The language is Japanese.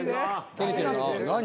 照れてるな。